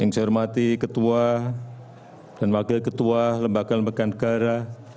yang saya hormati ketua dan wakil ketua lembaga lembaga negara